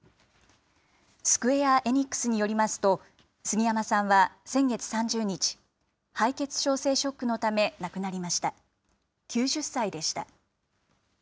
スクウェア・エニックスによりますと、すぎやまさんは、先月３０日、敗血症性ショックのため亡くなりました。